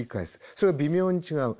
それが微妙に違う。